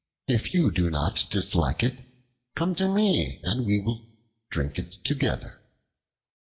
If you do not dislike it, come to me and we will drink it together."